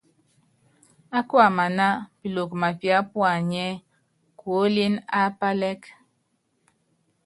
Á buiamaná, Piloko mápiá puanyɛ́ kuólín á pálɛ́k.